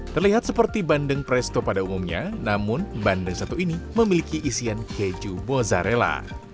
terlihat seperti bandeng presto pada umumnya namun bandeng satu ini memiliki isian keju mozzarella